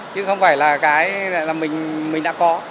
chứ không phải là cái là mình đã có